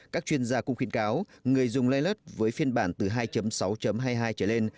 các chuyên gia cũng khuyên cáo người dùng leard với phiên bản từ hai sáu hai mươi hai trở lên